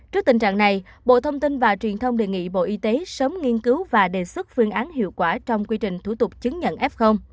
trước tình trạng này bộ thông tin và truyền thông đề nghị bộ y tế sớm nghiên cứu và đề xuất phương án hiệu quả trong quy trình thủ tục chứng nhận f